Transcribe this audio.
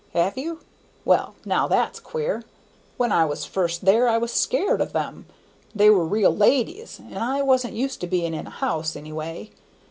Have you? Well, now, that's queer! When I was first there I was scared of them; they were real ladies, and I wasn't used to being in a house, any way.